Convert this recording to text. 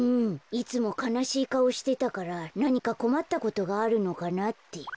いつもかなしいかおしてたからなにかこまったことがあるのかなって。